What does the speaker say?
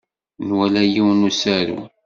Nwala yiwen n usaru.